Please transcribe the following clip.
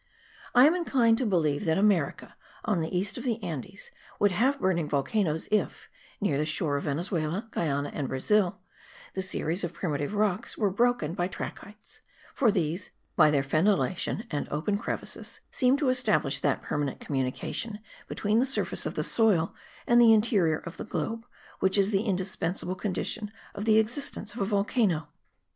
I am inclined to believe that America, on the east of the Andes, would have burning volcanoes if, near the shore of Venezuela, Guiana and Brazil, the series of primitive rocks were broken by trachytes, for these, by their fendillation and open crevices, seem to establish that permanent communication between the surface of the soil and the interior of the globe, which is the indispensable condition of the existence of a volcano.